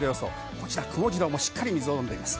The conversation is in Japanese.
こちら、くもジローもしっかり水を飲んでいます。